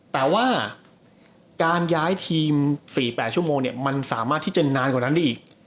แต่ว่าการย้ายทีม๔๘ชั่วโมงมันสามารถที่จะนานกว่านั้นได้อีก